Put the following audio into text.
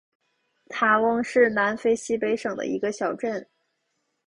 塔翁是南非西北省的一个小镇。